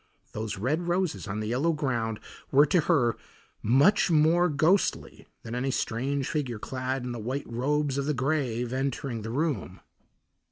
Those red roses on the yellow ground were to her much more ghostly than any strange figure clad in the white robes of the grave entering the room.